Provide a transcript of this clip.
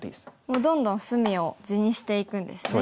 もうどんどん隅を地にしていくんですね。